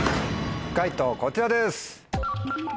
解答こちらです。